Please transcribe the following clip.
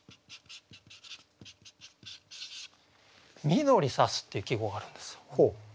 「緑さす」っていう季語があるんですよ。